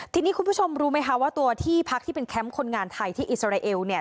ทีนี้คุณผู้ชมรู้ไหมคะว่าตัวที่พักที่เป็นแคมป์คนงานไทยที่อิสราเอลเนี่ย